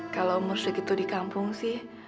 kalau umur segitu di kampung sih